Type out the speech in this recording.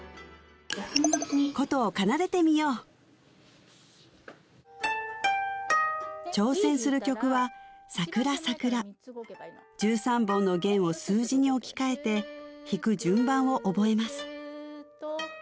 箏を奏でてみよう挑戦する曲は「さくらさくら」１３本の弦を数字に置き換えて弾く順番を覚えます